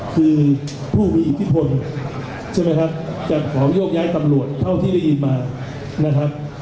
คือผู้มีอิทธิพลใช่ไหมครับจะขอยกย้ายตำรวจเท่าที่ได้ยินมานะครับ